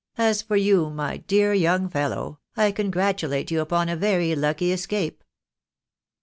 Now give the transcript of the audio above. As for you, my dear young fellow, I congratulate you upon a very lucky escape."